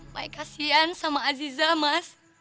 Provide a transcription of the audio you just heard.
saya kasihan dengan aziza mas